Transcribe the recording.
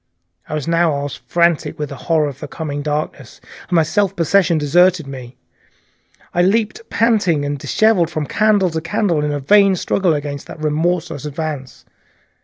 I was now almost frantic with the horror of the coming darkness, and my self possession deserted me. I leaped panting from candle to candle in a vain struggle against that remorseless advance.